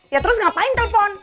ya terus ngapain telpon